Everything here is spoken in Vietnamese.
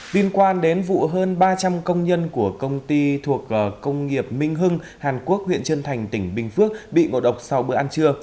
liên quan đến vụ hơn ba trăm linh công nhân của công ty thuộc công nghiệp minh hưng hàn quốc huyện trân thành tỉnh bình phước bị ngộ độc sau bữa ăn trưa